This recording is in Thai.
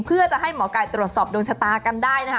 เพื่อจะให้หมอไก่ตรวจสอบดวงชะตากันได้นะคะ